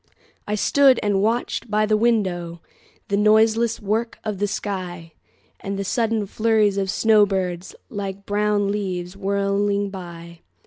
I stood and watched by the windowThe noiseless work of the sky, And the sudden flurries of snow birds, Like brown leaves whirling by.